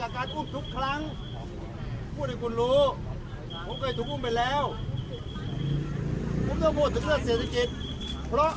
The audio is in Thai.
เอาเหรอคุณไปดูเอาละกันนะว่าออกก็เปล่า